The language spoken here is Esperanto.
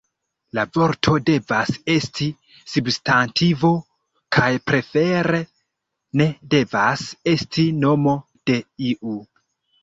La vorto devas esti substantivo kaj prefere ne devas esti nomo de iu.